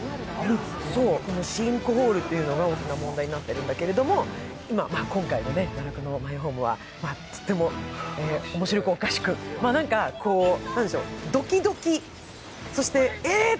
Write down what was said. シンクホールっていうのが大きな問題になってるんだけど今回の「奈落のマイホーム」はとっても面白おかしく、ドキドキ、そしてえーっ！